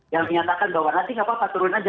yang menyatakan bahwa nanti apa apa turun saja